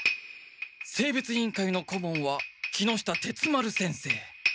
生物委員会の顧問は木下鉄丸先生。